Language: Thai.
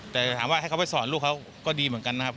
แต่ถามว่าให้เขาไปสอนลูกเขาก็ดีเหมือนกันนะครับ